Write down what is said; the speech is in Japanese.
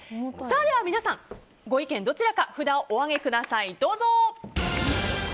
では皆さん、ご意見どちらか札をお上げください、どうぞ！